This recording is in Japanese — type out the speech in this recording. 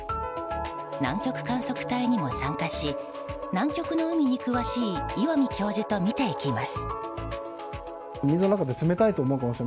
南極観測隊にも参加し南極の海に詳しい岩見教授と見ていきます。